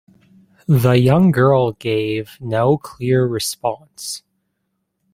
The young girl gave no clear response.